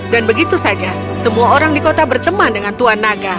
dan begitu saja semua orang di kota berteman dengan tuan naga